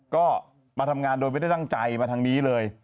ก็มาทำงานโดยไม่ได้ตั้งใจมาทางนี้เลย